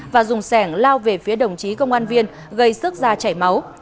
và dùng sẻng lao về phía đồng chí công an viên gây sức da chảy máu